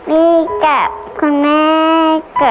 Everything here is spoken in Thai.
มีกับคุณแม่